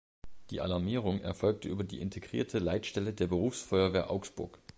Die Alarmierung erfolgt über die Integrierte Leitstelle der Berufsfeuerwehr Augsburg.